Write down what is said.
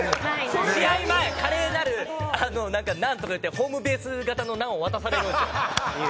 試合前カレーなるナンとかいってホームベース形のナンを渡されるんですよ。